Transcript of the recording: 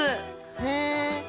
へえ。